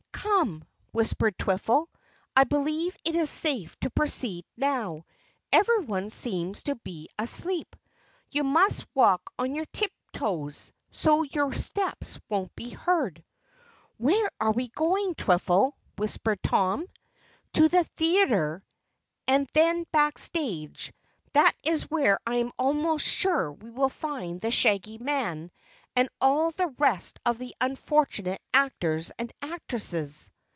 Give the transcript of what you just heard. "Come," whispered Twiffle, "I believe it is safe to proceed now. Everyone seems to be asleep. You must walk on your tip toes, so your steps won't be heard." "Where are we going, Twiffle?" whispered Tom. "To the theater, and then backstage that is where I am almost sure we will find the Shaggy Man and all the rest of the unfortunate actors and actresses."